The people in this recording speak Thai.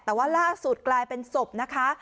แต่ว่าล่าสุดกลายเป็นศพนะคะ